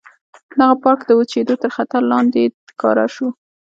دغه پارک د وچېدو تر خطر لاندې ښکاره شو.